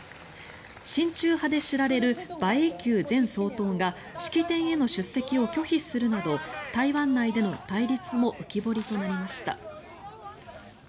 親中派で知られる馬英九前総統が式典への出席を拒否するなど、台湾内での対立も浮き彫りとなりました。